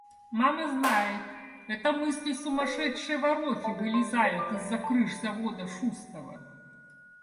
Мама знает — это мысли сумасшедшей ворохи вылезают из-за крыш завода Шустова.